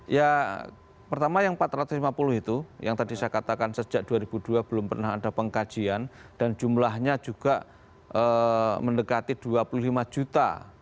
ya pertama yang empat ratus lima puluh itu yang tadi saya katakan sejak dua ribu dua belum pernah ada pengkajian dan jumlahnya juga mendekati dua puluh lima juta